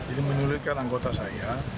ini menyulitkan anggota saya